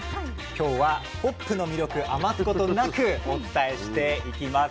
今日はホップの魅力余すことなくお伝えしていきます。